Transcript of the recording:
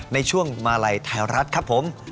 ในช่วงมาลัยไทยรัฐครับผม